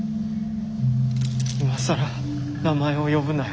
今更名前を呼ぶなよ。